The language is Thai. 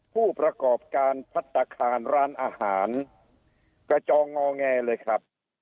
ผู้ประกอบการพัฒนาคารร้านอาหารกระจองงอแงเลยครับ